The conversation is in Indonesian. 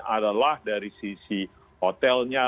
adalah dari sisi hotelnya